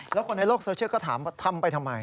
แล้วคนในโลกโซเชียลก็ถามว่าทำไปทำไม